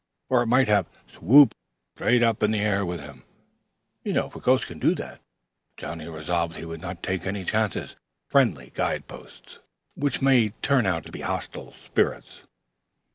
Or it might have swooped straight up in the air with him, for ghosts could do that. Johnnie resolved he would not take any chances with friendly guide posts which might turn out to be hostile spirits.